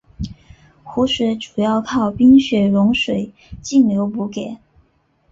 湖水主要靠冰雪融水径流补给。